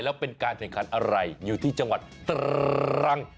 และเป็นการเถียงคันอะไรอยู่ที่จังหวัดตรง